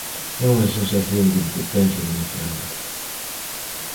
É unha sensación de impotencia moi grande.